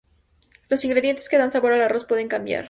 Los ingredientes que dan sabor al arroz pueden cambiar.